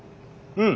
うん。